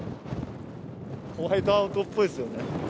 ホワイトアウトっぽいですよね。